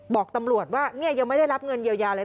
บอกตำรวจว่าจะไม่ได้รับเงินเยียวยาอะไร